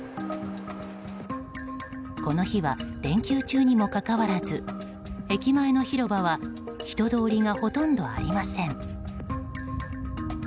この日は、連休中にもかかわらず駅前の広場は人通りがほとんどありません。